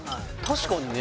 確かにね